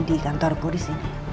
di kantorku disini